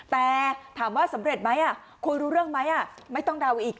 แต่ถามว่าสำเร็จไหมคุยรู้เรื่องไหมไม่ต้องเดาอีก